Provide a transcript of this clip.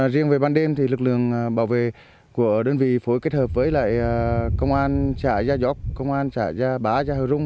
riêng về ban đêm thì lực lượng bảo vệ của đơn vị phối kết hợp với lại công an xã yayaok công an xã yaba yahurung